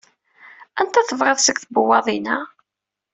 Anta tebɣiḍ seg tbewwaḍin-a?